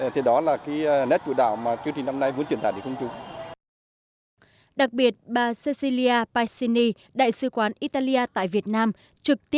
thế đó là nét chủ đạo mà chương trình năm nay muốn truyền tải đến công chúng